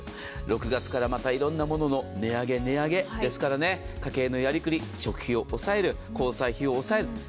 ６月からまたいろんな物の値上げ、値上げですから家計のやりくり食費を抑える、交際費を抑える。